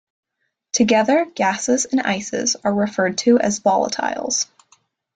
Together, gases and ices are referred to as "volatiles".